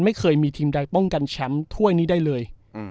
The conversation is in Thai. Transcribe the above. ไม่เคยมีทีมใดป้องกันแชมป์ถ้วยนี้ได้เลย